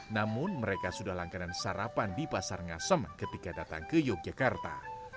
namun mereka sudah langganan sarapan di pasar ngasem ketika datang ke yogyakarta